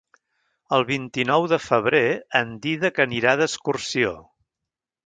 El vint-i-nou de febrer en Dídac anirà d'excursió.